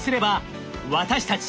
私たち